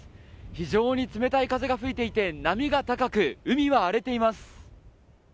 非常に冷たい風が吹いていて波が高く、海は荒れています。